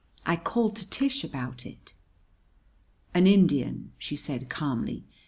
I called to Tish about it. "An Indian!" she said calmly.